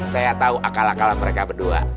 saya tahu akal akalan mereka berdua